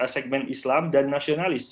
segmen islam dan nasionalis